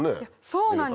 そうなんです。